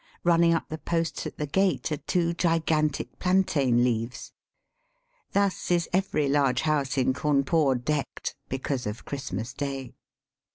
Running up the posts at the gate are two gigantic plantain leaves. Thus is €very large house in Cawnpore decked because of Christmas Day.